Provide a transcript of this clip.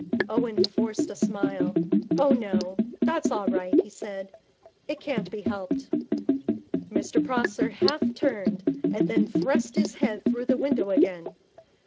Owen forced a smile. 'Oh, no, that's all right,' he said. 'It can't be helped.' Mr Prosser half turned, then thrust his head through the window again.